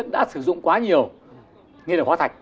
đã sử dụng quá nhiều